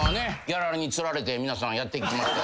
ギャラにつられて皆さんやって来ました。